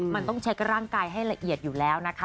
มันต้องเช็คร่างกายให้ละเอียดอยู่แล้วนะคะ